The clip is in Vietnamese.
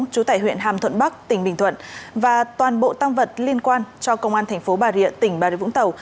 trú tại huyện hàm thuận bắc tỉnh bình thuận và toàn bộ tăng vật liên quan cho công an thành phố bà rịa tỉnh bà rịa vũng tàu